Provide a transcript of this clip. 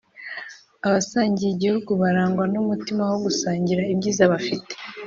Abasangiye igihugu barangwa n'umutima wo gusangira ibyiza bafite